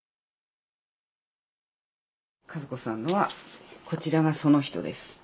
和子さんのは「こちらが『その人』です」。